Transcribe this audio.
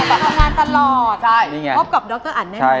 แต่ประมาณตลอดครอบครับดรอันได้ไหม